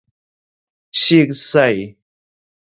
熟似